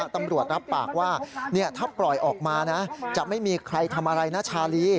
ตำรวจรับปากว่าถ้าปล่อยออกมานะจะไม่มีใครทำอะไรนะชาลี